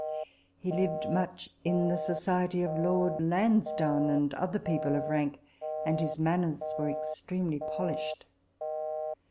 He lived much in the society of Lord Lansdowne and other people of rank ; and his manners were ex tremely polished.